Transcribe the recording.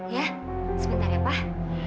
ya sebentar ya pak